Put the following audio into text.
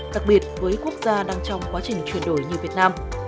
đặc biệt với quốc gia đang trong quá trình chuyển đổi như việt nam